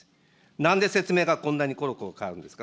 なんで説明がこんなにころころ変わるんですか。